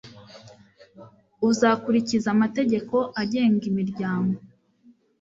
uzakurikiza amategeko agenga imiryango